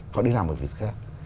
họ đi làm một việc khác